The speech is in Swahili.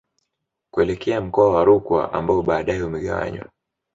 Kuelekea mkoa wa Rukwa ambao baadae umegawanywa